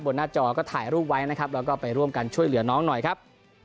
หน้าจอก็ถ่ายรูปไว้นะครับแล้วก็ไปร่วมกันช่วยเหลือน้องหน่อยครับ